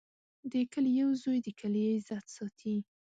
د کلي یو زوی د کلي عزت ساتي.